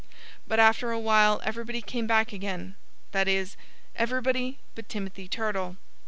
But after a while everybody came back again that is, everybody but Timothy Turtle.